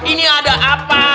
ini ada apa